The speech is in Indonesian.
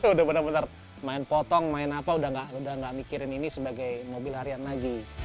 udah bener bener main potong main apa udah gak mikirin ini sebagai mobil harian lagi